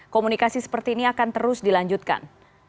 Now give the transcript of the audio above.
komunikasi seperti ini akan terus dilanjutkan